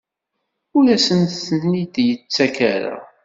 Ur asen-ten-id-yettak ara?